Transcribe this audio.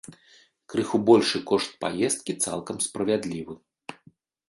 Крыху большы кошт паездкі цалкам справядлівы.